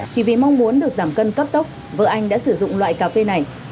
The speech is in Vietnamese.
chỉ vì mong muốn được giảm cân cấp tốc vợ anh đã sử dụng loại cà phê này